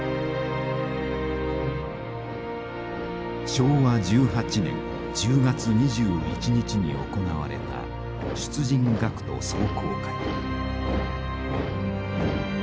昭和１８年１０月２１日に行われた出陣学徒壮行会。